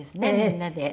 みんなで。